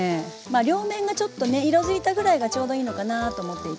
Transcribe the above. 両面がちょっとね色づいたぐらいがちょうどいいのかなと思っていて。